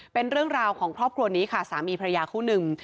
เป็นเรื่องราวของครอบครัวนี้ค่ะสามีภรรยาคู่หนึ่ง